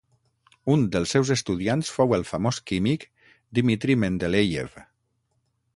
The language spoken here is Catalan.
Un dels seus estudiants fou el famós químic Dmitri Mendeléiev.